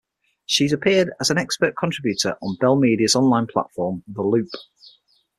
She's appeared as an expert contributor on Bell Media's online platform, "The Loop".